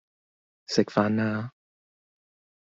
食飯啦!